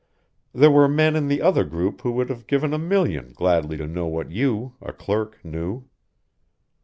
There were men in the other group who would have given a million gladly to know what you, a clerk, knew.